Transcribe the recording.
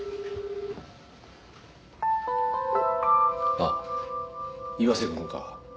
あっ岩瀬くんか。